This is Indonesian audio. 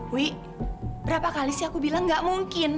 wi berapa kali sih aku bilang gak mungkin